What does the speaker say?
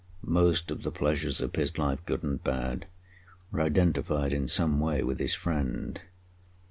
Most of the pleasures of his life, good and bad, were identified in some way with this friend.